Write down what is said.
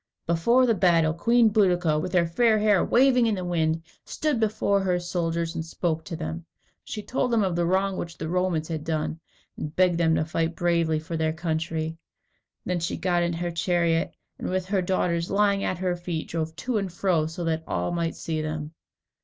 Before the battle, Queen Boadicea, with her fair hair waving in the wind, stood before her soldiers and spoke to them. She told them of the wrong which the Romans had done, and begged them to fight bravely for their country. Then she got into her chariot, and with her daughters lying at her feet, drove to and fro, so that all might see them.